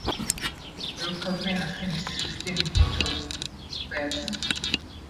Rukavina finished fifteenth out of eighteen players in total.